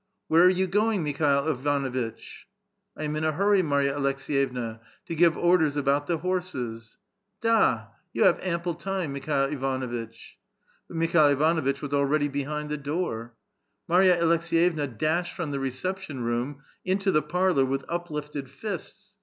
" Where are you going, Mikhail Ivanuitch? "" I am in a hurry, Marya Aleks6yevna, to give orders about the liorses." ''^ Da! you have ample time, Mikail Ivanuitch." But Mikhail Ivanuitch was alreadv behind the door. ft Marya Aleks^yevna dashed from the reception room into the parlor with uplifted fists.